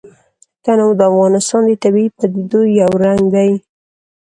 تنوع د افغانستان د طبیعي پدیدو یو رنګ دی.